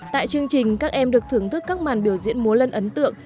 tại chương trình các em được thưởng thức các màn biểu diễn múa lân ấn tượng